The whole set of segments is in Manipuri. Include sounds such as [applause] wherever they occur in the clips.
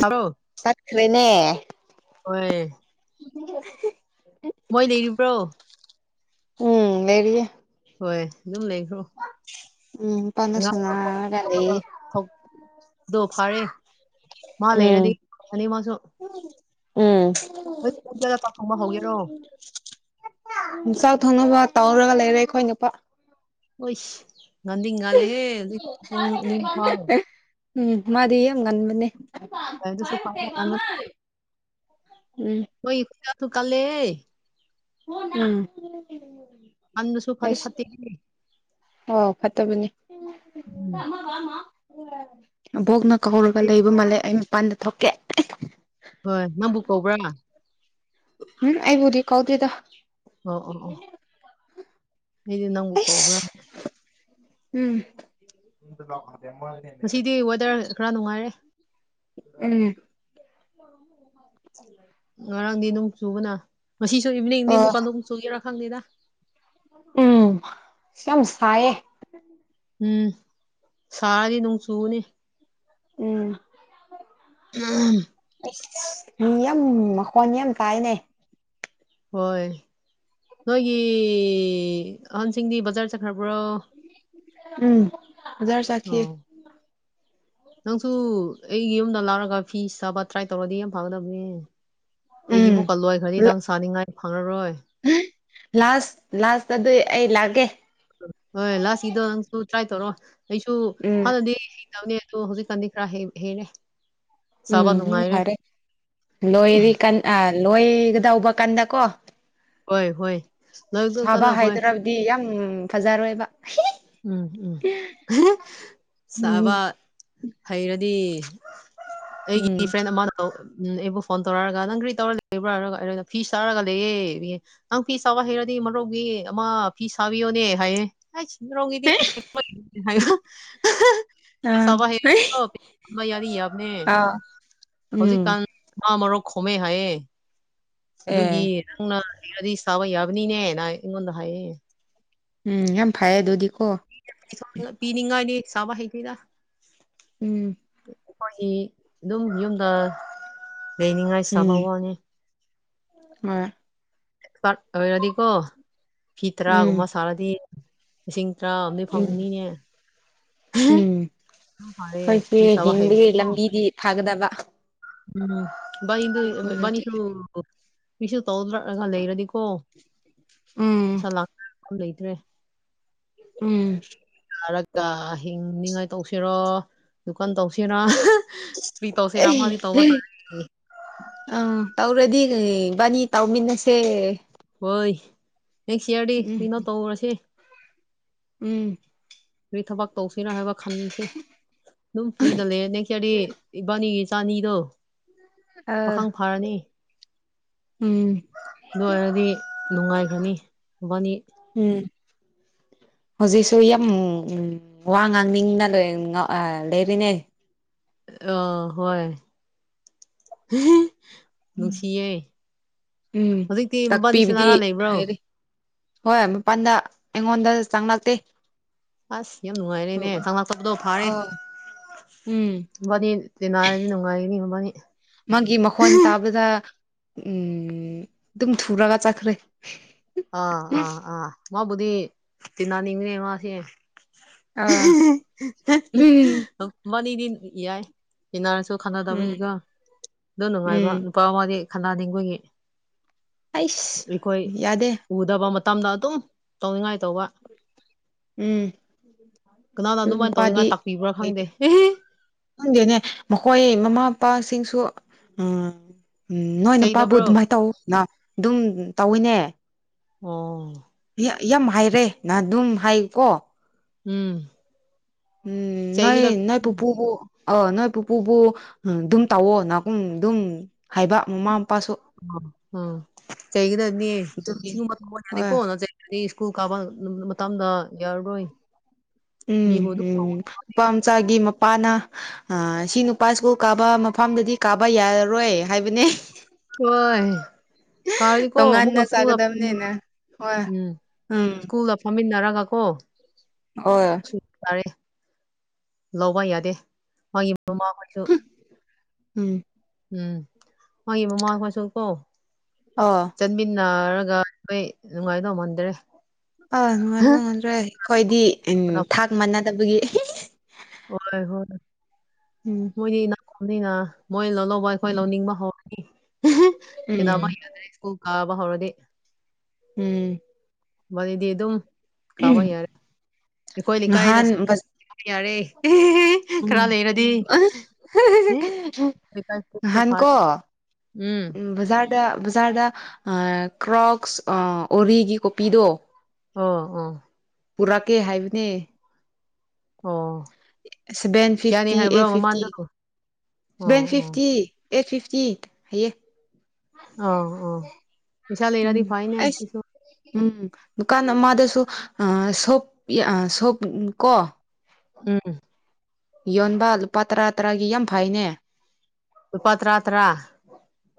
ꯇꯥꯕ꯭ꯔꯣ ꯇꯠꯈ꯭ꯔꯦꯅꯦ ꯍꯣꯢ ꯎ [unintelligible] ꯃꯣꯏ ꯂꯩꯔꯤꯕ꯭ꯔꯣ ꯎꯝ ꯂꯩꯔꯤꯌꯦ ꯍꯣꯏ ꯑꯗꯨꯝ ꯂꯩꯈ꯭ꯔꯣ ꯎꯝ [unintelligible] ꯑꯉꯥꯡꯗꯣ ꯊꯣꯛ ꯁꯥꯟꯅꯔꯒ ꯊꯣꯛꯄꯗꯣ ꯂꯩ ꯊꯣꯛꯄꯗꯣ ꯐꯔꯦ ꯃꯥ ꯂꯩꯔꯗꯤ ꯑꯅꯤꯃꯛꯁꯨ ꯎꯝ ꯄꯥꯈꯪꯕ ꯍꯧꯒꯦꯔꯣ ꯆꯥꯛ ꯊꯣꯡꯅꯕ ꯇꯧꯔꯒ ꯂꯩꯔꯦ ꯑꯩꯈꯣꯏ ꯅꯨꯄꯥ ꯍꯣꯏꯁ ꯉꯟꯗꯤ ꯉꯜꯂꯦꯍꯦ ꯍꯧꯖꯤꯛ ꯄꯨꯡ ꯅꯤꯄꯥꯜ ꯎꯝ ꯃꯥꯗꯤ ꯌꯥꯝ ꯑꯗꯨꯁꯨ ꯈ꯭ꯋꯥꯏꯗ ꯉꯟꯕ ꯉꯥꯜꯕꯅꯧ ꯎꯝ ꯃꯣꯏ ꯏ ꯈꯨ [unintelligible] ꯏꯖ ꯀꯜꯂꯦꯍꯦ ꯎꯝ ꯁꯥꯟꯗꯨꯁꯨ ꯐꯗꯤ ꯐꯠꯇꯦ ꯍꯣ ꯐꯠꯇꯕꯅꯦ ꯑꯕꯣꯛꯅ ꯀꯧꯔꯒ ꯂꯩꯕ ꯃꯥꯜꯂꯦ ꯑꯩ ꯃꯄꯥꯟꯗ ꯊꯣꯛꯀꯦ ꯍꯣꯏ ꯅꯪꯕꯨ ꯀꯧꯕ꯭ꯔꯥ ꯎꯝ ꯑꯩꯕꯨꯗꯤ ꯀꯥꯎꯗꯦꯗ ꯑꯣ ꯑꯣ ꯑꯣ ꯑꯩꯗꯤ ꯅꯪꯕꯨ ꯀꯧꯕ꯭ꯔꯥ ꯑꯝ ꯃꯁꯤꯗꯤ ꯋꯦꯗꯔ ꯈꯔ ꯅꯨꯡꯉꯥꯏꯌꯦ ꯎꯝ ꯉꯔꯥꯡꯗꯤ ꯅꯣꯡ ꯆꯨꯕꯅ ꯉꯁꯤꯁꯨ ꯏꯚꯅꯤꯡꯅꯤ ꯑꯣ ꯑꯃꯨꯛꯀ ꯅꯣꯡ ꯆꯨꯒꯦꯔꯥ ꯈꯪꯗꯦ ꯎꯝ ꯌꯥꯝ ꯁꯥꯏꯌꯦ ꯎꯝ ꯁꯥꯔꯗꯤ ꯅꯣꯡ ꯆꯨꯒꯅꯤ ꯎꯝ ꯑꯟ [unintelligible] ꯃꯤ ꯌꯥꯝ ꯃꯈꯣꯟ ꯌꯥꯝ ꯇꯥꯏꯅꯦ ꯍꯣꯏ ꯅꯣꯏꯒꯤ ꯑꯍꯟꯁꯤꯡꯗꯤ ꯕꯖꯥꯔ ꯆꯠꯈ꯭ꯔꯕ꯭ꯔꯣ ꯎꯝ ꯑꯣꯖꯔ ꯆꯠꯈꯤ ꯑꯣ ꯅꯪꯁꯨ ꯑꯩꯒꯤ ꯌꯨꯝꯗ ꯂꯥꯛꯔꯒ ꯐꯤ ꯁꯥꯥꯕ ꯇ꯭ꯔꯥꯏ ꯇꯧꯔꯗꯤ ꯌꯥꯝ ꯐꯒꯗꯕꯅꯦ ꯑꯩꯒꯤ ꯎꯝ ꯏꯃꯨꯛꯀ ꯂꯣꯏꯈ꯭ꯔꯗꯤ ꯅꯪ ꯁꯥꯅꯤꯡꯉꯥꯏ ꯐꯪꯉꯔꯣꯏ ꯂꯥꯁ ꯂꯥꯁ ꯑꯩ ꯑꯩ ꯂꯥꯛꯒꯦ ꯍꯣꯏ ꯂꯥꯁꯀꯤꯗꯣ ꯅꯪꯁꯨ ꯇ꯭ꯔꯥꯏ ꯇꯧꯔꯣ ꯑꯩꯁꯨ ꯎꯝ ꯍꯥꯟꯅꯗꯤ ꯅꯪꯗꯤ ꯑꯗꯨ ꯍꯧꯖꯤꯛ ꯀꯥꯟꯗꯤ ꯈꯔ ꯍꯩꯈ꯭ꯔꯦ ꯎꯝ ꯌꯥꯝ ꯐꯔꯦ ꯂꯣꯏꯔꯤ ꯀꯥꯟ ꯑ ꯂꯣꯏꯕꯒꯗꯧꯕ ꯀꯥꯟꯗꯀꯣ ꯍꯣꯏ ꯍꯣꯏ ꯂꯥꯏꯔꯤꯛꯇꯣ ꯁꯥꯕ ꯀꯟꯅ ꯍꯣꯏ ꯍꯩꯗ꯭ꯔꯕꯗꯤ ꯌꯥꯝ ꯐꯖꯔꯣꯏꯕ ꯎꯝ ꯎꯝ ꯆꯥꯕ ꯎꯝ ꯍꯩꯔꯗꯤ ꯎꯝ ꯑꯩꯒꯤ ꯐ꯭ꯔꯦꯟ ꯑꯃꯗꯣ ꯑꯩꯕꯨ ꯐꯣꯟ ꯇꯧꯔꯛꯑꯒ ꯅꯪ ꯀꯔꯤ ꯇꯧꯔ ꯂꯩꯕ꯭ꯔꯥ ꯍꯥꯏꯔ ꯑꯩ ꯐꯤ ꯁꯔꯥ ꯂꯩꯌꯦ ꯅꯪ ꯐꯤ ꯁꯥꯕ ꯍꯩꯔꯗꯤ ꯃꯔꯨꯞꯒꯤ ꯑꯃ ꯐꯤ ꯁꯥꯕꯤꯌꯣꯅꯦ ꯍꯥꯏꯌꯦ ꯅꯣꯡꯒꯤꯗꯤ ꯍꯥꯏꯌ [unintelligible] ꯁ ꯑꯥ [unintelligible] ꯍꯦꯣ ꯌꯥꯅꯤꯅꯦ ꯑꯥ ꯎꯝ ꯍꯧꯖꯤꯛꯀꯥꯟ ꯃꯥ ꯃꯔꯨꯞ ꯈꯣꯝꯃꯦ ꯍꯥꯏꯌꯦ ꯑꯦ ꯑꯗꯨꯒꯤ ꯅꯧꯅꯗꯤ ꯍꯩꯔꯗꯤ ꯁꯥꯕ ꯌꯥꯕꯅꯤꯅꯦꯅ ꯑꯩꯉꯣꯟꯗ ꯍꯥꯏꯌꯦ ꯎꯝ ꯌꯥꯝ ꯐꯩꯌꯦ ꯑꯗꯨꯗꯤꯀꯣ ꯄꯤꯅꯤꯡꯉꯥꯢꯗꯣ ꯁꯥꯕ ꯍꯩꯇꯦꯗ ꯎꯝ ꯑꯩꯈꯣꯏꯒꯤ ꯑꯗꯨꯝ ꯌꯨꯝꯗ ꯂꯩꯅꯤꯡꯉꯥꯏ ꯁꯥꯕ ꯎꯝ ꯋꯥꯅꯤ ꯍꯣꯏ ꯀꯥꯠ ꯑꯣꯏꯔꯗꯤꯀꯣ ꯐꯤ ꯎꯝ ꯇꯔꯥꯒꯨꯝꯕ ꯁꯥꯔꯗꯤ ꯂꯤꯁꯤꯡ ꯇꯔꯥ ꯗꯤ ꯎꯝ ꯐꯪꯅꯤꯅꯦ ꯎꯝ ꯌꯥꯝ ꯐꯔꯦ ꯑꯩꯏꯁꯦ ꯐꯤ [unintelligible] ꯁꯥꯕ ꯍꯤꯡꯕ ꯍꯩꯕꯗꯣ ꯂꯝꯕꯤꯗꯤ ꯐꯥꯒꯗꯕ ꯎꯝ ꯢꯕꯅꯤꯗꯨ ꯑꯣꯏꯔꯗꯤ ꯢꯕꯅꯤꯗꯨ ꯃꯤꯁꯨ ꯇꯧꯗ꯭ꯔꯒ ꯂꯩꯔꯗꯤꯀꯣ ꯎꯝ ꯄꯩꯁꯥ ꯂꯥꯛ ꯂꯩꯇ꯭ꯔꯦ ꯎꯝ ꯆꯔꯒ ꯍꯤꯡꯅꯤꯉꯥꯏ ꯇꯧꯁꯤꯔꯣ ꯗꯨꯨꯀꯥꯟ ꯇꯧꯁꯤꯔꯥ ꯀꯔꯤ ꯑ ꯇꯧꯁꯤꯔꯥ [unintelligible] ꯑꯃꯗꯤ ꯇꯧꯕ ꯇꯥꯔꯦ ꯑꯥ ꯇꯧꯔꯗꯤ ꯏꯕꯥꯅꯤ ꯇꯧꯃꯤꯟꯅꯁꯦ ꯍꯣꯏ ꯢꯌꯥ꯭ꯔꯗꯤ ꯎꯝ ꯀꯩꯅꯣ ꯇꯧꯔꯁꯦ ꯎꯝ ꯀꯔꯤ ꯊꯕꯛ ꯇꯧꯁꯤꯔꯥ ꯍꯥꯏꯕ ꯈꯟꯁꯦ ꯑꯗꯨꯝ ꯐ꯭ꯔꯤꯗ ꯂꯩꯔꯦ ꯅꯦꯛꯁ ꯌꯥ꯭ꯔꯗꯤ ꯏꯕꯥꯅꯤꯒꯤ ꯏꯆꯥ ꯑꯅꯤꯗꯣ ꯑꯥ ꯄꯥꯈꯪ ꯐꯥꯔꯅꯤ ꯎꯝ ꯑꯗꯨ ꯑꯣꯏꯔꯗꯤ ꯅꯨꯡꯉꯥꯏꯈ꯭ꯔꯅꯤ ꯢꯕꯥꯅꯤ ꯎꯝ ꯍꯧꯖꯤꯛꯁꯨ ꯌꯥꯝ ꯋꯥ ꯉꯥꯡꯅꯤꯡꯅ ꯂꯣꯏ ꯂꯩꯔꯤꯅꯦ ꯑꯣ ꯍꯣꯏ ꯅꯨꯡꯁꯤꯌꯦ ꯎꯝ ꯍꯧꯖꯤꯛꯇꯤ ꯃꯕꯥꯅꯤ ꯇꯥꯛꯄꯤꯕꯗꯤ ꯁꯅꯥꯔꯥ ꯂꯩꯕ꯭ꯔꯣ ꯍꯥꯏꯔꯤ ꯍꯣꯏ ꯃꯄꯜꯗ ꯑꯩꯉꯣꯟꯗ ꯆꯪꯂꯛꯇꯦ ꯑꯁ ꯌꯥꯝ ꯅꯨꯡꯉꯥꯏꯔꯦꯅꯦ ꯆꯪꯂꯛꯇꯕꯗꯣ ꯐꯥꯔꯦ ꯑꯣ ꯎꯝ ꯃꯕꯥꯅꯤ ꯇꯤꯟꯅꯔꯗꯤ ꯅꯣꯡꯉꯥꯏꯒꯅꯤ ꯃꯕꯥꯅꯤ ꯑꯗꯨꯗ [unintelligible] ꯎꯝ ꯑꯗꯨꯝ ꯊꯨꯔꯒ ꯆꯠꯈ꯭ꯔꯦ ꯑꯥ ꯑꯥ ꯑꯥ ꯃꯥꯕꯨꯗꯤ ꯇꯤꯟꯅꯅꯤꯡꯉꯅꯦ ꯃꯥꯁꯦ ꯑꯥ [unintelligible] ꯎꯝ ꯃꯕꯅꯤꯗꯤ ꯌꯥꯏ ꯇꯤꯟꯅꯔꯁꯨ ꯎꯝ ꯈꯠꯅꯗꯕꯒꯤꯒꯣ ꯑꯗꯨ ꯅꯨꯡꯉꯥꯏꯕ ꯎꯝ ꯅꯨꯄꯥ ꯃꯥꯗꯤ ꯈꯠꯅꯥꯅꯤꯡꯕꯒꯤ ꯑꯩꯁ ꯌꯥꯗꯦ ꯎꯗꯕ ꯃꯇꯝꯗ ꯑꯗꯨꯝ ꯇꯧꯅꯤꯡꯉꯥꯏ ꯇꯧꯕ ꯎꯝ ꯀꯅꯥꯅ ꯑꯗꯨ ꯑꯗꯨꯃꯥꯏꯅ ꯅꯨꯄꯥꯗꯤ ꯇꯧꯅꯤꯡꯉꯥꯏ ꯇꯥꯛꯄꯤꯕ꯭ꯔꯥ ꯂꯩꯇꯦ ꯈꯪꯗꯦ ꯈꯪꯗꯦꯅꯦ ꯃꯈꯣꯏ ꯃꯃꯥ ꯃꯄꯥꯁꯤꯡꯁꯨ ꯎꯝ ꯎꯝ ꯅꯣꯏ ꯅꯨꯄꯥꯕꯨ ꯆꯩꯗꯕ꯭ꯔꯣ ꯑꯗꯨꯃꯥꯏꯅ ꯇꯧ ꯅ ꯑꯗꯨꯝ ꯇꯧꯋꯤꯅꯦ ꯑꯣ ꯌꯥꯝ ꯍꯥꯏꯔꯦ ꯅꯍꯟ ꯑꯗꯨꯝ ꯍꯥꯏꯀꯣ ꯎꯝ ꯎꯝ ꯅꯣꯏ ꯆꯩꯒꯗꯕ ꯅꯣꯢ ꯄꯨꯄꯨꯕꯨ ꯑꯥ ꯅꯣꯏ ꯄꯨꯄꯨꯕꯨ ꯑꯗꯨꯝ ꯇꯧꯋꯣ ꯅꯥꯀꯨꯝ ꯑꯗꯨꯝ ꯍꯥꯏꯕ ꯃꯃꯥ ꯃꯄꯥꯁꯨ ꯎꯝ ꯀꯩꯒꯤꯅꯣꯗꯤ ꯑꯗꯨꯒꯤ ꯁꯤꯒꯨꯝꯕ [unintelligible] ꯍꯣꯏ ꯑꯩ ꯁ꯭ꯀꯨꯜ ꯀꯥꯕ ꯃꯇꯝꯗ ꯌꯥꯔꯔꯣꯏ ꯎꯝ ꯃꯤꯕꯨ ꯑꯗꯨꯝ ꯎꯝ ꯅꯨꯄꯥ ꯃꯆꯥꯒꯤ ꯃꯄꯥꯅ ꯑꯥ ꯁꯤ ꯅꯨꯄꯥ ꯁꯀꯨꯜ ꯀꯥꯕ ꯃꯐꯝꯗꯗꯤ ꯀꯥꯕ ꯌꯥꯔꯔꯣꯏ ꯍꯥꯏꯕꯅꯦ ꯍꯣꯢ ꯀꯥꯔꯥꯗꯤꯀꯣ ꯇꯣꯉꯥꯟꯅ ꯑꯃꯨꯛꯀꯥ ꯁꯀꯨꯜ ꯆꯥꯒꯗꯕꯅꯤꯅ ꯍꯣꯏ ꯎꯝ ꯎꯝ ꯁꯀꯨꯜ ꯐꯝꯃꯤꯟꯅꯔꯒ ꯀꯣ ꯑꯣꯢ ꯇꯥꯔꯦ ꯂꯧꯕ ꯌꯥꯗꯦ ꯃꯥꯒꯤ ꯃꯃꯥꯈꯣꯏꯁꯨ ꯎꯝ ꯎꯝ ꯃꯥꯒꯤ ꯃꯃꯥ ꯈꯣꯢꯁꯨ ꯀꯣ ꯑꯥ ꯆꯟꯃꯤꯟꯅꯔꯒ ꯑꯩꯈꯣꯏ ꯅꯨꯡꯉꯥꯏꯗꯧ ꯃꯥꯟꯗ꯭ꯔꯦ ꯑꯥ ꯅꯨꯡꯉꯥꯏꯗꯧ ꯃꯥꯟꯗ꯭ꯔꯦ ꯑꯩꯈꯣꯏꯗꯤ ꯊꯥꯛ ꯃꯥꯟꯅꯗꯕꯒꯤ ꯍꯣꯢ ꯍꯣꯢ ꯎꯝ ꯃꯣꯏꯗꯤ ꯏꯅꯥꯈꯨꯕꯅꯤꯅ ꯃꯣꯏ ꯂꯧꯍꯧꯕ ꯑꯩꯈꯣꯏ ꯂꯧꯅꯤꯡꯕ ꯍꯧꯔꯅꯤ ꯎꯝ ꯇꯤꯟꯅꯥꯕ ꯌꯥꯗ꯭ꯔꯦ ꯁꯀꯨꯜ ꯀꯥꯕ ꯍꯧꯔꯗꯤ ꯎꯝ ꯃꯅꯤꯗꯤ ꯑꯗꯨꯝ ꯀꯥꯕ ꯌꯥꯔꯦ ꯑꯩꯈꯣꯏ ꯂꯩꯀꯥꯏꯗ ꯅꯍꯥꯟ [unintelligible] ꯎꯝ ꯎꯝ [unintelligible] ꯍꯥꯟꯀꯣ ꯎꯝ ꯕꯥꯖꯥꯔꯗ ꯕꯖꯥꯔꯗ ꯀ꯭ꯔꯣꯛꯁ ꯑꯣꯔꯤꯒꯤ ꯀꯣꯄꯤꯗꯣ ꯑꯣ ꯑꯣ ꯄꯨꯔꯛꯀꯦ ꯍꯥꯏꯕꯅꯦ ꯑꯣ ꯁꯕꯦꯟ ꯀꯌꯥꯅꯤ ꯐꯤꯞꯇꯤ ꯍꯥꯏꯕ꯭ꯔꯣ ꯑꯦꯠ ꯐꯤꯞꯇꯤ ꯃꯃꯥꯟꯗꯣ ꯑꯣ ꯁꯚꯦꯟ ꯑꯣ ꯐꯤꯐꯇꯤ ꯑꯦꯠ ꯐꯤꯐꯇꯤ ꯍꯥꯏꯌꯦ ꯑꯥ ꯑꯥ ꯄꯩꯁꯥ ꯂꯩꯔꯗꯤ ꯎꯝ ꯐꯩꯅꯦ ꯑꯩꯁ ꯁꯤꯁꯨ ꯎꯝ ꯗꯨꯀꯥꯟ ꯑꯃꯗꯁꯨ ꯁꯣꯞ ꯁꯣꯞ ꯀꯣ ꯎꯝ ꯌꯣꯟꯕ ꯂꯨꯄꯥ ꯇꯔꯥ ꯇꯔꯥꯒꯤ ꯌꯥꯝ ꯐꯩꯅꯦ ꯎꯄꯥ ꯇꯔꯥ ꯇꯔꯥ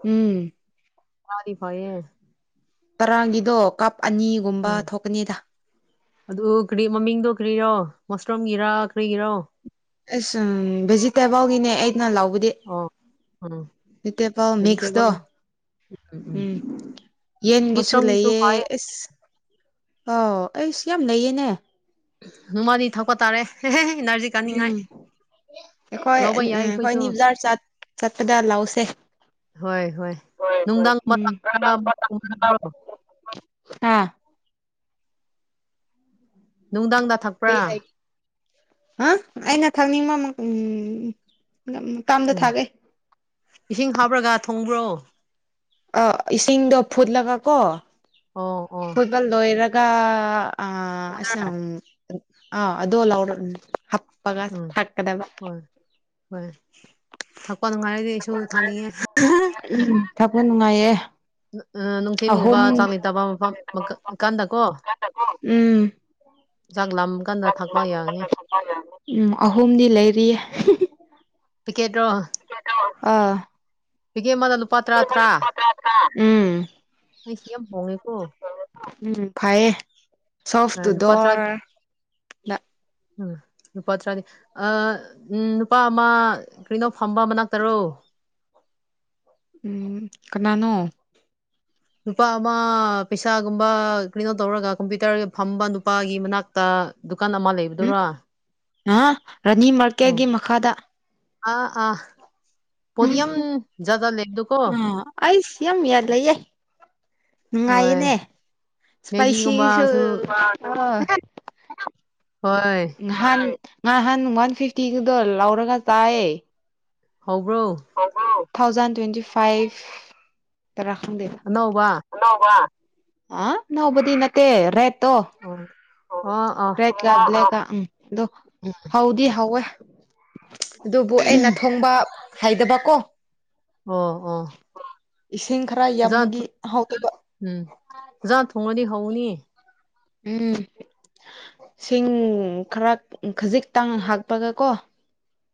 ꯎꯝ ꯃꯥꯔꯤ ꯐꯩꯌꯦ ꯇꯔꯥꯒꯤꯗꯣ ꯀꯞ ꯑꯅꯤꯒꯨꯝꯕ ꯎꯝ ꯊꯣꯛꯀꯅꯤꯗ ꯑꯗꯨ ꯀꯔꯤ ꯃꯃꯤꯡꯗꯣ ꯀꯔꯤꯔꯣ ꯃꯨꯁꯔꯨꯝꯒꯤꯔꯥ ꯀꯔꯤꯒꯤꯔꯣ ꯑꯁ ꯎꯝ ꯚꯦꯖꯤꯇꯦꯕꯜꯒꯤꯅꯦ ꯑꯩꯅ ꯂꯧꯕꯗꯤ ꯑꯣ ꯎꯝ ꯚꯤꯖꯤꯇꯦꯕꯜ ꯃꯤꯛꯁꯇꯣ ꯚꯦꯖꯤꯇꯦꯕꯜ ꯎꯝ ꯎꯝ ꯌꯦꯟꯒꯤꯁꯨ ꯃꯁꯔꯨꯝꯒꯤꯁꯨ ꯂꯩꯑꯦ ꯐꯩ ꯑꯁ ꯑꯥꯎ ꯑꯩꯁꯨ ꯌꯥꯝ ꯂꯩꯌꯦꯅꯦ ꯅꯣꯡꯃꯥꯗꯤ ꯊꯛꯄ ꯇꯥꯔꯦ ꯑꯦꯅꯔꯖꯤ ꯎꯝ ꯑꯩꯈꯣꯏ ꯌꯥꯏ ꯑꯩꯈꯣꯏ ꯑꯩꯈꯣꯏꯁꯨ ꯑꯅꯤ ꯕꯥꯖꯥꯔ ꯆꯠꯄꯗ ꯂꯧꯁꯦ ꯍꯣꯏ ꯍꯣꯏ ꯅꯨꯡꯗꯥꯡ [unintelligible] ꯍꯥꯥ ꯅꯨꯡꯗꯥꯡꯗ ꯊꯛ ꯑꯥ ꯑꯩꯅ ꯈꯪꯅꯤꯡꯕ ꯑꯃ ꯀꯔꯤ ꯎꯝ ꯏꯁꯤꯡ ꯍꯥꯞꯄ꯭ꯔꯥꯒ ꯊꯣꯡꯕ꯭ꯔꯣ ꯑꯥ ꯏꯁꯤꯡꯗꯣ ꯐꯨꯠꯂꯒ ꯀꯣ ꯑꯣ ꯑꯣ ꯐꯨꯠꯄ ꯂꯣꯏꯔꯒ ꯑꯥ ꯑꯁꯪ ꯑ ꯑꯗꯨ ꯂꯥꯎ ꯎꯝ ꯍꯣꯏ ꯍꯣꯏ ꯊꯛꯄ ꯅꯨꯡꯉꯥꯏꯔꯗꯤ ꯑꯩꯁꯨ ꯊꯪꯅꯤꯡꯉꯦ ꯎꯝ ꯊꯛꯄ ꯅꯨꯡꯉꯥꯏꯌꯦ ꯎ ꯅꯨꯡꯊꯤꯟꯒꯨꯝꯕ ꯑꯍꯨꯝ ꯆꯥꯡ ꯂꯩꯇꯕ ꯃꯐꯝ ꯀꯥꯟꯗꯀꯣ ꯎꯝ ꯆꯥꯛ ꯂꯝꯕ ꯀꯥꯟꯗ ꯊꯛꯄ ꯌꯥꯒꯅꯤ ꯎꯝ ꯑꯍꯨꯝꯗꯤ ꯂꯩꯔꯤꯌꯦ ꯄꯤꯀꯦꯠꯔꯣ ꯑꯥ ꯇꯤꯀꯦꯠ ꯑꯃꯗꯥ ꯂꯨꯄꯥ ꯇꯔꯥ ꯇꯔꯥ ꯎꯝ ꯑꯩꯁ ꯌꯥꯝ ꯍꯣꯡꯉꯦꯀꯣ ꯎꯝ ꯐꯥꯏꯌꯦ [unintelligible] [unintelligible] ꯎꯝ ꯂꯨꯄꯥ ꯎꯝ ꯅꯨꯄꯥ ꯑꯃ ꯀꯔꯤꯅꯣ ꯐꯝꯕ ꯃꯅꯥꯛꯇꯔꯣ ꯎꯝ ꯀꯅꯥꯅꯣ ꯅꯨꯄꯥ ꯑꯃ ꯄꯩꯁꯥꯒꯨꯝꯕ ꯀ꯭ꯔꯤꯅꯣ ꯇꯧꯔꯒ ꯀꯝꯄ꯭ꯌꯨꯇꯔ ꯐꯝꯕ ꯅꯨꯄꯥꯒꯤ ꯃꯅꯥꯛ ꯗꯨꯀꯥꯟ ꯑꯃ ꯂꯩ ꯎꯝ ꯑꯥ ꯔꯥꯅꯤ ꯎ ꯃꯥꯔꯀꯦꯠꯒꯤ ꯃꯈꯥꯗ ꯑꯥ ꯑꯥ ꯄꯣꯠ ꯌꯥꯝ ꯎꯝ ꯖꯥꯒ ꯂꯩꯕꯗꯨꯀꯣ ꯑꯥ ꯑꯩꯁ ꯌꯥꯥꯝ ꯂꯩꯌꯦ ꯍꯣꯏ ꯅꯨꯪꯉꯥꯏꯌꯦꯅꯦ ꯁꯄ꯭ꯥꯢꯁꯤ ꯁꯨ ꯃꯦꯒꯤꯒꯨꯝꯕꯁꯨ ꯍꯣꯏ ꯅꯍꯥꯟ ꯉꯍꯥꯟ ꯋꯥꯟ ꯐꯤꯐꯇꯤꯗꯨꯗꯣ ꯂꯧꯔꯒ ꯆꯥꯏꯌꯦ꯫ ꯍꯧꯕ꯭ꯔꯣ ꯊꯥꯎꯖꯟ ꯇ꯭ꯋꯦꯟꯇꯤ ꯐꯥꯏꯚ ꯇꯔꯥ ꯈꯪꯗꯦ ꯑꯅꯧꯕꯥ ꯑꯅꯧꯕ ꯑꯅꯧꯕꯗꯤ ꯅꯠꯇꯦ ꯔꯦꯠꯇꯣ ꯑꯣ ꯑꯥ ꯑꯥ ꯎꯝ ꯑꯗꯨ ꯍꯥꯎꯗꯤ ꯍꯧꯋꯦ ꯑꯗꯨꯕꯨ ꯑꯩꯅ ꯊꯣꯡꯕ ꯍꯩꯗꯕꯀꯣ ꯍꯣ ꯍꯣ ꯏꯁꯤꯡ ꯈꯔ ꯌꯥꯝꯕꯒꯤ ꯍꯥꯎꯗꯕ ꯎꯝ ꯖꯥꯠ ꯊꯣꯡꯉꯗꯤ ꯍꯧꯅꯤ ꯎꯝ ꯁꯤꯡ ꯈꯔ ꯈꯖꯤꯛꯇꯪ ꯍꯥꯞꯄꯒ ꯀꯣ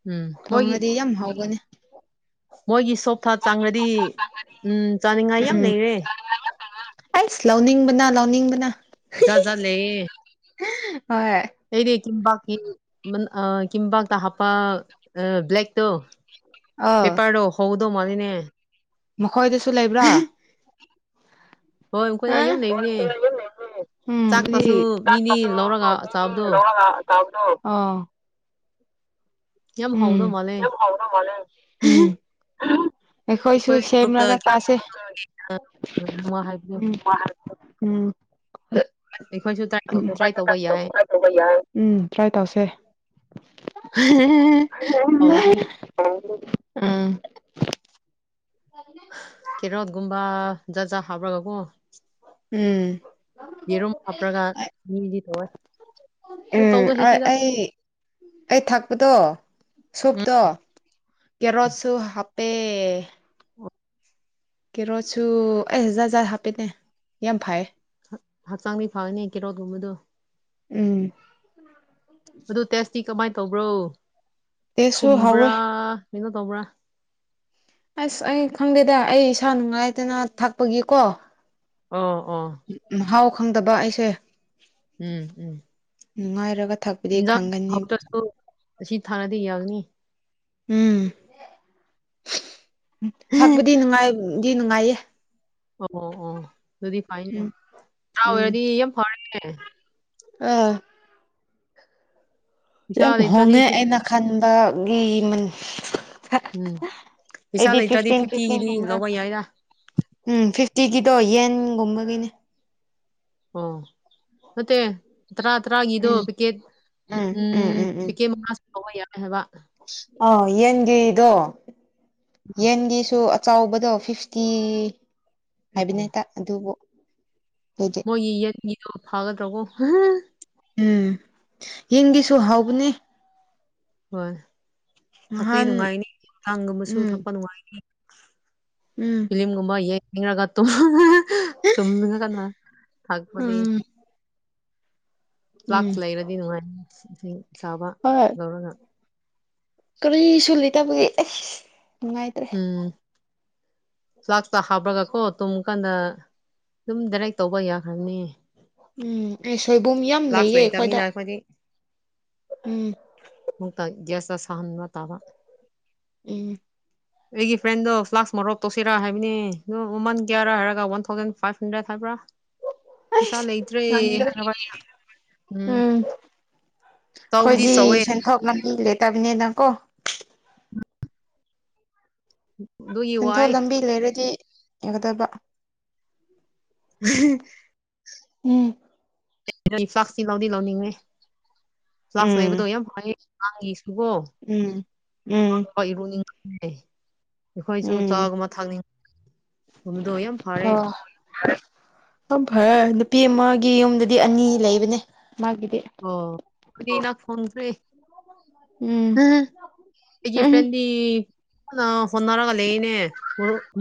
ꯎꯝ ꯃꯣꯏꯒꯤ ꯊꯣꯡꯉꯗꯤ ꯌꯥꯝ ꯍꯥꯎꯅꯦ꯫ ꯃꯣꯏꯒꯤ ꯁꯣꯞ ꯊꯥ ꯆꯥꯡꯔꯗꯤ ꯎꯝ ꯆꯥꯅꯤꯡꯉꯥꯏ ꯌꯥꯝ ꯂꯩꯔꯦ꯫ ꯑꯁ ꯂꯥꯎꯅꯤꯡꯕꯅꯥ ꯂꯥꯎꯅꯤꯡꯕꯅꯥ꯫ ꯖꯥꯠ ꯖꯥꯠ ꯂꯩꯌꯦ꯫ ꯍꯣꯏ ꯂꯩꯗꯤ ꯀꯕꯥꯞꯀꯤ ꯑ ꯀꯝꯕꯥꯞꯇ ꯍꯥꯞꯄ, ꯑ ꯕ꯭ꯂꯛꯇꯣ ꯑꯥ ꯄꯦꯄꯔꯗꯣ ꯍꯎꯗꯧ ꯃꯜꯂꯦꯅꯦ꯫ ꯃꯈꯣꯏꯗꯁꯨ ꯂꯩꯕ꯭ꯔꯥ? ꯍꯣꯏ ꯑꯩꯈꯣꯏꯗ ꯌꯥꯝ ꯂꯩꯕꯅꯦ ꯆꯥꯛꯇꯁꯨ [unintelligible] ꯃꯤꯗꯤ ꯂꯧꯔꯒ ꯆꯥꯕꯗꯣ ꯇꯥꯕ꯭ꯔꯣ ꯑꯣꯎ ꯌꯥꯝ ꯎꯝ ꯍꯥꯎꯗꯧ ꯃꯥꯜꯂꯦ ꯌꯥꯝ ꯍꯥꯎꯗꯧ ꯃꯜꯂꯦ꯫ ꯑꯩꯈꯣꯏꯁꯨ ꯑꯩꯈꯣꯏ ꯒ꯭ꯔꯨꯞꯇ ꯁꯦꯝꯔꯒ ꯆꯁꯦ꯫ ꯍꯥꯏꯕꯗꯣ [unintelligible] ꯑꯩꯈꯣꯏꯁꯨ ꯇ꯭ꯔꯥꯏ ꯇꯧꯕ ꯌꯥꯏ ꯎꯝ ꯇ꯭ꯔꯥꯏ ꯇꯧꯁꯦ꯫ ꯎꯝ [unintelligible] ꯎꯝ ꯀꯦꯔꯣꯠꯒꯨꯝꯕ ꯖꯠꯖꯥ ꯍꯥꯕꯔꯒ ꯀꯣ꯫ ꯎꯝ ꯌꯦꯔꯨꯝ ꯍꯞꯔꯒꯥꯥ ꯃꯤꯗꯤ ꯇꯧꯋꯦ꯫ ꯍꯣꯏ ꯎꯝ ꯇꯧꯕ ꯍꯩꯇꯦꯗ ꯑꯩ ꯑꯩ ꯊꯥꯛꯄꯗꯣ ꯎꯝ ꯁꯣꯞꯇꯣ ꯀꯦꯔꯣꯠꯁꯨ ꯍꯥꯞꯄꯦ꯫ ꯀꯦꯔꯣꯠꯁꯨ ꯑꯩ ꯖꯥꯠ ꯖꯥꯠ ꯍꯥꯞꯄꯦꯅꯦ ꯌꯥꯝ ꯐꯌꯦ꯫ ꯍꯛꯆꯥꯡꯗꯤ ꯐꯒꯅꯤ ꯀꯦꯔꯣꯠꯒꯨꯝꯕꯗꯣ ꯎꯝ [unintelligible] ꯑꯗꯨ ꯇꯦꯁꯇꯤ ꯀꯃꯥꯏꯅ ꯇꯧꯕ꯭ꯔꯣ, ꯇꯦꯁꯁꯨ ꯍꯥꯎꯋꯦ ꯊꯨꯝꯕ꯭ꯔꯥ ꯀꯩꯅꯣ ꯇꯧꯕ꯭ꯔꯥ? ꯑꯁ ꯑꯩ ꯈꯪꯗꯦꯗ ꯑꯩ ꯏꯁꯥ ꯅꯨꯡꯉꯥꯏꯇꯅ ꯊꯛꯄꯒꯤꯀꯣ, ꯑꯣ ꯑꯣ ꯃꯥꯍꯥꯎ ꯈꯪꯗꯕ ꯑꯩꯁꯦ꯫ ꯎꯝ ꯎꯝ ꯅꯨꯡꯉꯥꯏꯔꯒ ꯊꯛ ꯏꯟꯖꯥꯡ ꯍꯧꯗꯇ꯭ꯔꯁꯨ ꯑꯁꯤ ꯊꯥꯛꯔꯗꯤ ꯌꯥꯒꯅꯤ꯫ ꯎꯝ ꯊꯛꯄꯗꯤ ꯅꯨꯡꯉꯥꯏꯗꯤ ꯅꯨꯡꯉꯥꯏꯌꯦ꯫ ꯑꯣ ꯑꯣ ꯑꯣ ꯑꯗꯨꯗꯤ ꯐꯥꯏꯅꯦ ꯎꯝ ꯆꯥ ꯎꯝ ꯑꯣꯏꯔꯗꯤ ꯌꯥꯝ ꯐꯔꯦꯅꯦ꯫ ꯑꯥ ꯄꯩꯁꯥ ꯌꯥꯝ ꯂꯩꯇ꯭ꯔꯗꯤ ꯍꯣꯡꯉꯦ ꯐꯤꯐꯇꯤ ꯑꯩꯅ ꯈꯟꯕꯒꯤ ꯎꯝ ꯄꯩꯁꯥ ꯑꯩꯗꯤ ꯂꯩꯇ꯭ꯔꯗꯤ ꯐꯤꯐꯇꯤꯟ ꯐꯤꯇꯤꯟ ꯐꯤꯐꯇꯤꯒꯤꯗꯤ ꯒꯨꯝꯕꯥ ꯂꯧꯕ ꯉꯥꯛꯇꯥ ꯫ ꯌꯥꯏꯗ ꯎꯝ ꯐꯤꯐꯇꯤꯒꯤꯗꯣ ꯌꯦꯟꯒꯨꯝꯕꯒꯤꯅꯦ꯫ ꯑꯣ ꯅꯠꯇꯦ ꯇꯔꯥ ꯇꯔꯥꯒꯤꯗꯣ ꯎꯝ ꯄꯦꯛꯀꯦꯠ ꯎꯝ ꯄꯦꯛꯀꯦꯠ ꯃꯉꯥ ꯐꯥꯎꯕ ꯌꯥꯏ ꯍꯥꯏꯕ꯫ ꯑꯥ ꯌꯦꯟꯒꯤꯗꯣ ꯌꯦꯟꯒꯤꯁꯨ ꯆꯥꯎꯕꯗꯣ ꯐꯤꯐꯇꯤ ꯑꯣ ꯍꯥꯏꯕꯅꯦ ꯑꯗꯨꯕꯨ, ꯑꯗꯨꯗꯤ ꯃꯣꯏꯒꯤ ꯌꯦꯟꯒꯤꯗꯣ ꯐꯥꯒꯗ꯭ꯔꯣꯀꯣ꯫ ꯎꯝ ꯌꯦꯟꯒꯤꯁꯨ ꯍꯥꯎꯕꯅꯦ꯫ ꯍꯣꯏ ꯊꯛꯄꯤ ꯅꯍꯥꯟ ꯅꯨꯡꯉꯥꯏꯅꯤ ꯑꯉꯥꯡꯒꯨꯝꯕꯁꯨ ꯎꯝ ꯊꯛꯄ ꯅꯨꯡꯉꯥꯏꯅꯤ꯫ ꯎꯝ ꯐꯤꯂꯤꯝꯒꯨꯝꯕ ꯌꯦꯡꯅꯤꯡꯔꯒ ꯇꯨꯝ [unintelligible] ꯊꯥꯛꯄꯗꯤ ꯎꯝ ꯎꯝ ꯐ꯭ꯂꯥꯛꯁ ꯂꯩꯔꯗꯤ ꯅꯨꯡꯉꯥꯏꯅꯤ ꯏꯁꯤꯡ ꯑꯁꯥꯥꯕ ꯍꯣꯏ꯫ ꯂꯧꯔꯒ꯫ ꯀꯔꯤꯁꯨ ꯂꯩꯇꯕꯒꯤ ꯅꯨꯡꯉꯥꯏꯇ ꯎꯝ꯫ ꯐ꯭ꯂꯥꯛꯁꯇ ꯍꯥꯞꯄ꯭ꯔꯒꯀꯣ ꯇꯨꯝ ꯀꯥꯟꯗ ꯑꯗꯨꯝ ꯗꯥꯏꯔꯦꯛ ꯇꯧꯕ ꯌꯥꯈ꯭ꯔꯅꯤ꯫ ꯎꯝ ꯑꯦ ꯁꯣꯏꯕꯨꯝ ꯌꯥꯝ ꯐ꯭ꯂꯥꯛꯁ ꯂꯩꯌꯦ ꯑꯩꯈꯣꯏꯗ ꯂꯩꯇꯕꯅꯤꯅ ꯑꯩꯈꯣꯏꯗꯤ ꯎꯝ꯫ ꯃꯨꯛꯇ ꯒ꯭ꯌꯥꯁ ꯁꯥꯍꯟꯕ ꯇꯥꯕ꯫ ꯎꯝ꯫ ꯑꯩꯒꯤ ꯐ꯭ꯔꯦꯟꯗꯣ ꯐ꯭ꯂꯥꯛꯁ ꯃꯣꯔꯣꯛ ꯇꯧꯁꯤꯔꯥ ꯍꯥꯏꯕꯅꯤ ꯑꯗꯨ ꯃꯃꯟ ꯀꯌꯥꯔꯥ ꯍꯥꯏꯔꯒ ꯋꯥꯟ ꯊꯥꯎꯖꯟ ꯐꯥꯏꯚ ꯍꯟꯗ꯭ꯔꯦꯠ ꯍꯥꯏꯕ꯭ꯔꯥ ꯄꯩꯁꯥ ꯑꯩꯁ ꯂꯩꯇ꯭ꯔꯦ ꯉꯝꯗꯔꯦ꯫ ꯍꯥꯏꯔꯕ ꯎꯝ ꯆꯥꯎꯕꯨꯗꯤ ꯑꯩꯈꯣꯏꯗꯤ ꯆꯥꯎꯋꯦ ꯁꯦꯟꯊꯣꯛ ꯂꯝꯕꯤ ꯂꯩꯇꯕꯅꯤꯅ ꯀꯣ꯫ [unintelligible] ꯁꯦꯟꯊꯣꯛ ꯂꯝꯕꯤ ꯂꯩꯔꯗꯤ ꯌꯥꯒꯗꯕ꯫ [unintelligible] ꯎꯝ꯫ ꯐ꯭ꯂꯥꯛꯁꯇꯤ ꯂꯧꯗꯤ ꯂꯧꯅꯤꯡꯉꯦ ꯐ꯭ꯂꯥꯛꯁ ꯎꯝ ꯂꯩꯕꯗꯣ ꯌꯥꯝ ꯐꯩꯌꯦ ꯑꯉꯥꯡꯒꯤꯁꯨꯀꯣ꯫ ꯎꯝ ꯎꯝ꯫ ꯍꯣꯏ ꯏꯔꯨꯅꯤꯡ [unintelligible] ꯑꯩꯈꯣꯏꯁꯨ ꯎꯝ ꯆꯥꯒꯨꯝꯕ ꯊꯥꯛꯅꯤꯡꯒꯨꯝꯕꯗꯣ ꯌꯥꯝ ꯐꯔꯦ꯫ ꯑꯝ ꯐꯔꯦ ꯅꯨꯄꯤ ꯑꯃꯒꯤ ꯌꯨꯝꯗꯗꯤ ꯑꯅꯤ ꯂꯩꯕꯅꯦ ꯃꯥꯒꯤꯗꯤ꯫ ꯑꯣ ꯀꯔꯤꯅꯣ ꯊꯣꯡꯗꯔꯤ꯫ ꯎꯝ ꯑꯩꯒꯤ ꯎꯝ ꯐ꯭ꯔꯦꯟꯗꯤ ꯀꯟꯅ ꯍꯣꯠꯅꯔꯒ ꯂꯩꯌꯦꯅꯦ ꯃꯔꯨꯞ